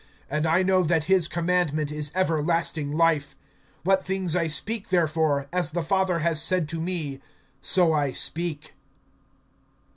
(50)And I know that his commandment is everlasting life. What things I speak therefore, as the Father has said to me, so I speak.